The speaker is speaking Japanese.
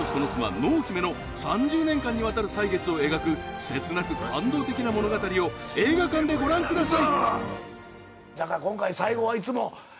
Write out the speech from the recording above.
濃姫の３０年間にわたる歳月を描く切なく感動的な物語を映画館でご覧ください